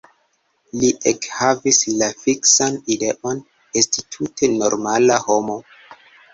Li ekhavis la fiksan ideon esti tute normala homo.